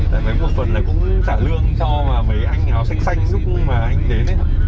tại mấy phần phần này cũng trả lương cho mấy anh nháo xanh xanh lúc mà anh đến đấy ạ